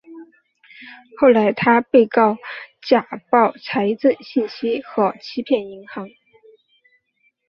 后来他被告假报财政信息和欺骗银行。